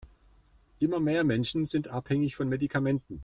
Immer mehr Menschen sind abhängig von Medikamenten.